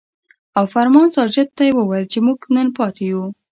او فرمان ساجد ته يې وويل چې مونږ نن پاتې يو ـ